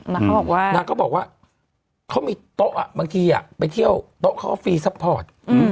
นางก็บอกว่าเขามีโต๊ะอ่ะบางทีไปเที่ยวโต๊ะเขาฟรีซัพพอร์ต